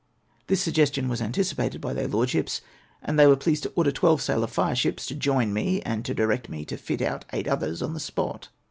This suggestion was anticipated by their Lordships, and they were pleased to order twelve sail of fireships to join me, and to direct me to fit out eight others on the spot.